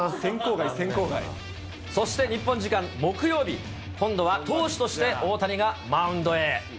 選考外、そして、日本時間木曜日、今度は投手として大谷がマウンドへ。